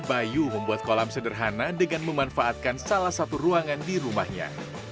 bayu membuat kolam sederhana dengan memanfaatkan salah satu ruangan di rumahnya